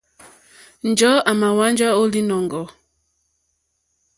Njɔ̀ɔ́ à mà hwánjá ó lìnɔ̀ŋgɔ̀.